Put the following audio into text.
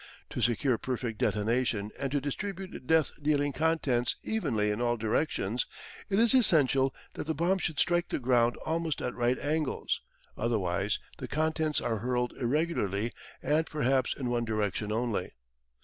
To secure perfect detonation and to distribute the death dealing contents evenly in all directions, it is essential that the bomb should strike the ground almost at right angles: otherwise the contents are hurled irregularly and perhaps in one direction only.